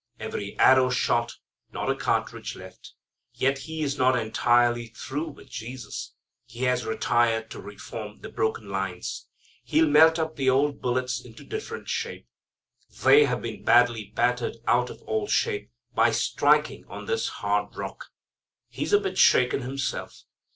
Every arrow shot. Not a cartridge left. Yet he is not entirely through with Jesus. He has retired to reform the broken lines. He'll melt up the old bullets into different shape. They have been badly battered out of all shape by striking on this hard rock. He's a bit shaken himself.